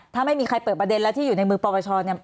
ถ้าไม่มีใครเปิดประเด็นแล้วที่อยู่ในมือปปชเนี่ย